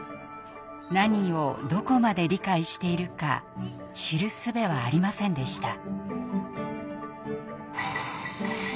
何をどこまで理解しているか知るすべはありませんでした。